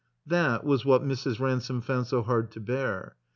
That was what Mrs. Ransome fotmd so hard to bear.